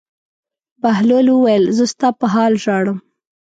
بهلول وویل: زه ستا په حال ژاړم.